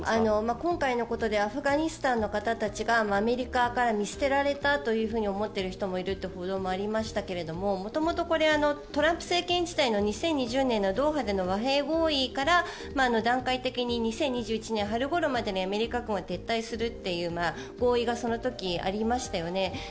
今回のことでアフガニスタンの方たちがアメリカから見捨てられたというふうに思っているというふうな報道もありましたけど元々トランプ政権時代の２０２０年のドーハでの和平合意から段階的に２０２１年春ごろまでにアメリカ軍は撤退するという合意がその時ありましたよね。